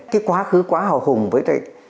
cái quá khứ quá hào hùng với